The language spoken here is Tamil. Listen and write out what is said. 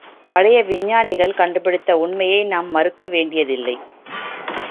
பழைய விஞ்ஞானிகள் கண்டுபிடித்த உண்மையை நாம் மறுக்க வேண்டியதில்லை.